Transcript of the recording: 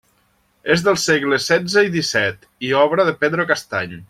És del segle setze i dèsset i obra de Pedro Castany.